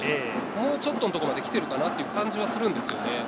もうちょっとのところまで来ているかなという感じはするんですよね。